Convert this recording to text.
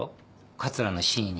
桂の真意に。